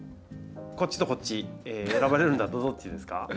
こっちとこっち選ばれるならどっちですか？